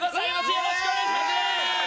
よろしくお願いします！